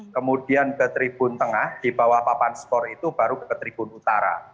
kemudian ke tribun tengah di bawah papan skor itu baru ke tribun utara